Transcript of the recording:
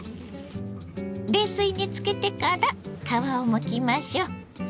冷水につけてから皮をむきましょう。